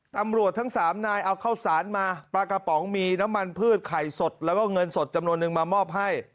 ตำรวจทั้งสามนายเอาข้าวสารมาปลากระป๋องมีน้ำมันพืชไข่สดแล้วก็เงินสดจำนวนนึงมามอบให้